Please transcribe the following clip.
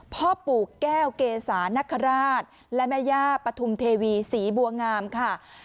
พ่อปู่แก้วเกษานคราชและแม่ย่าปฐุมเทวีศรีบัวงามค่ะ